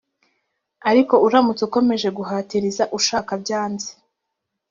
ariko uramutse ukomeje guhatiriza ushaka byanze